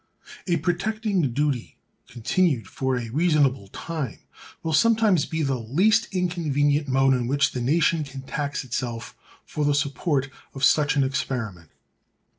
A protecting duty, continued for a reasonable time, will sometimes be the least inconvenient mode in which the nation can tax itself for the support of such an experiment.